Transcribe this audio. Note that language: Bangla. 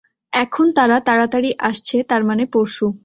এখন, তারা তারাতাড়ি আসছে তারমানে পরশু।